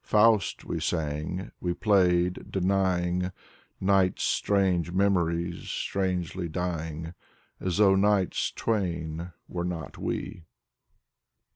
" Faust " we sang, we played, denying Night's strange memories, strangely dying. As though night's twain were not we.